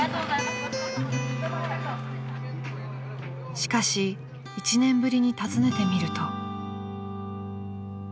［しかし１年ぶりに訪ねてみると］